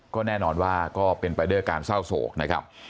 ก็แน่นอนว่าก็เป็นไปด้วยการเศร้าโศกนะครับ